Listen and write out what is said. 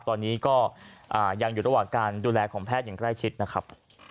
ตอนนี้ก็ยังอยู่ระหว่างการดูแลของแพทย์อย่างใกล้ชิดนะครับ